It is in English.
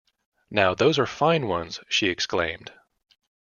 “Now, those are fine ones!” she exclaimed.